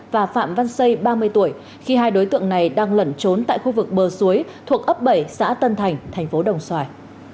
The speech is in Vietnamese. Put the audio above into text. và phạm văn xây ba mươi tuổi khi hai đối tượng này đang lẩn trốn tại khu vực bờ suối thuộc ấp bảy xã tân thành thành phố đồng xoài